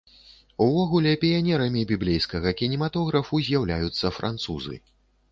Увогуле, піянерамі біблейскага кінематографу з'яўляюцца французы.